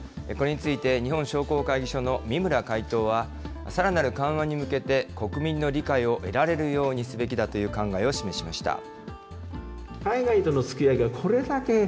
これについて日本商工会議所の三村会頭は、さらなる緩和に向けて、国民の理解を得られるようにすべきだという考えを示しました。